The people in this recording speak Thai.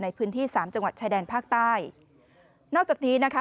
ในพื้นที่สามจังหวัดชายแดนภาคใต้นอกจากนี้นะคะ